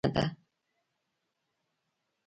فزیک د انرژۍ پوهنه ده